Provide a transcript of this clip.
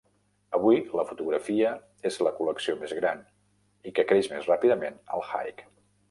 Avui, la fotografia és la col·lecció més gran i que creix més ràpidament al High.